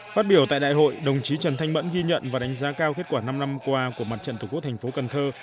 phát biểu tại đại hội đồng chí trần thanh mẫn ghi nhận và đánh giá cao kết quả năm năm qua của mặt trận tổ quốc thành phố cần thơ